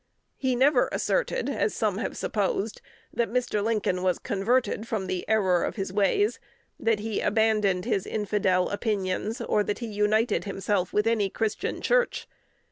He never asserted, as some have supposed, that Mr. Lincoln was converted from the error of his ways; that he abandoned his infidel opinions, or that he united himself with any Christian church.